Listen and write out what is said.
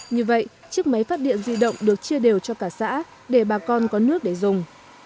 như vậy chiếc máy phát điện di động được chia đều cho cả xã để bà con có nước để dùng